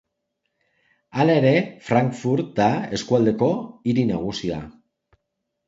Hala ere, Frankfurt da eskualdeko hiri nagusia.